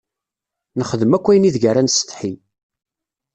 Nexdem akk ayen ideg ara nessetḥi.